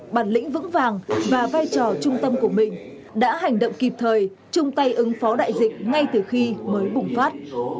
bản lĩnh vững vàng và vai trò trung tâm của mình đã hành động kịp thời chung tay ứng phó đại dịch ngay từ khi mới bùng phát